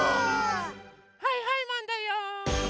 はいはいマンだよ！